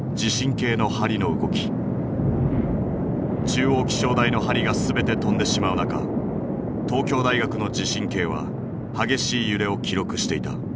中央気象台の針が全て飛んでしまう中東京大学の地震計は激しい揺れを記録していた。